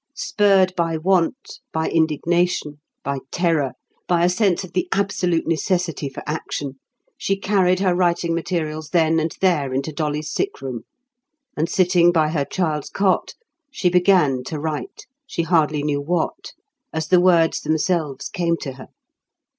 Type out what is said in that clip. Spurred by want, by indignation, by terror, by a sense of the absolute necessity for action, she carried her writing materials then and there into Dolly's sick room, and sitting by her child's cot, she began to write, she hardly knew what, as the words themselves came to her.